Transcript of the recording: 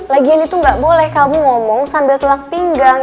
lagian itu gak boleh kamu ngomong sambil telak pinggang